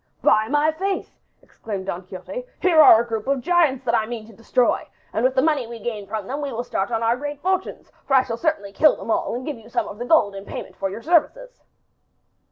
"By my faith!" exclaimed Don Quixote, "here are a group of giants that I mean to destroy, and with the money we gain from them we will start on our great fortunes, for I certainly shall kill them all and give you some of the gold in payment for your services."